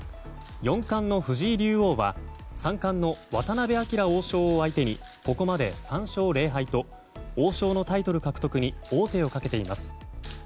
四冠の藤井竜王は三冠の渡辺明王将を相手にここまで３勝０敗と王将のタイトル獲得に王手をかけています。